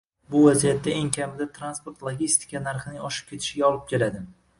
Bu vaziyat eng kamida transport-logistika narxining oshib ketishiga olib keldi.